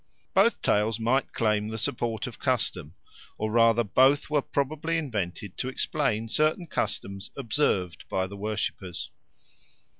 Both tales might claim the support of custom, or rather both were probably invented to explain certain customs observed by the worshippers.